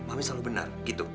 mami selalu benar gitu